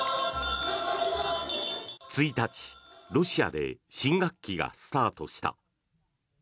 １日ロシアで新学期がスタートした。